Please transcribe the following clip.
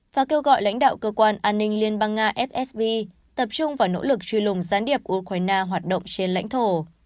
và kêu gọi lãnh đạo cơ quan an ninh liên bang nga fsv tập trung vào nỗ lực truy lùng gián điệp của ukraine hoạt động trên lãnh thổ